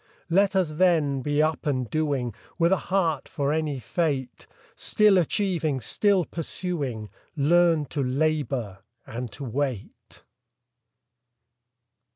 Let us, then, be up and doing, With a heart for any fate ; Still achieving, still pursuing, Learn to labor and to wait.